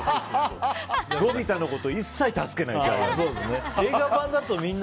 のび太のこと一切助けないジャイアン。